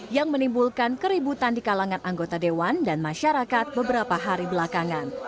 yang menimbulkan keributan di kalangan anggota dewan dan masyarakat beberapa hari belakangan